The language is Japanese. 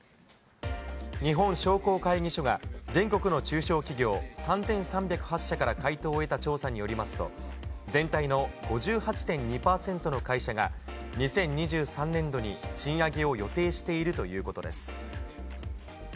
日本商工会議所が、全国の中小企業３３０８社から回答を得た調査によりますと、全体の５８．２％の会社が、２０２３年度に賃上げを予定しているということです。